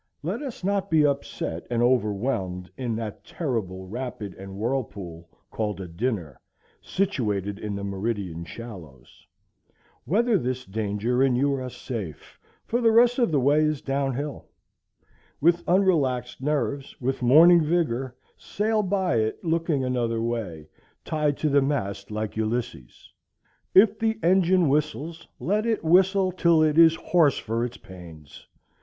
Let us not be upset and overwhelmed in that terrible rapid and whirlpool called a dinner, situated in the meridian shallows. Weather this danger and you are safe, for the rest of the way is down hill. With unrelaxed nerves, with morning vigor, sail by it, looking another way, tied to the mast like Ulysses. If the engine whistles, let it whistle till it is hoarse for its pains.